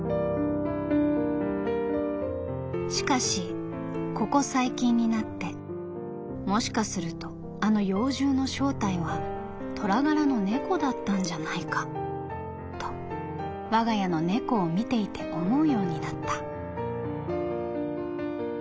「しかしここ最近になってもしかするとあの妖獣の正体は虎柄の猫だったんじゃないかと我が家の猫を見ていて思うようになった」。